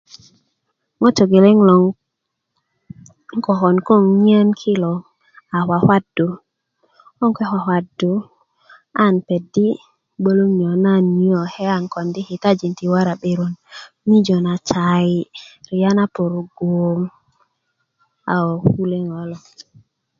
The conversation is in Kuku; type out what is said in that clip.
ŋo togeleŋ loŋ 'nkokon ko 'nŋiyen ki lo aa kwakwadu konn ke' kwakwadu ann petdi' gboloŋ niyo' ann kondi' kitajin ti waran'beron mijö na sayi riya na porogo a ko kule' ŋo' kulo